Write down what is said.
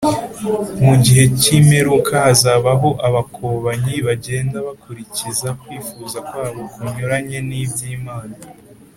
mu gihe cy’imperuka hazabaho abakobanyi bagenda bakurikiza kwifuza kwabo kunyuranye n’iby’imana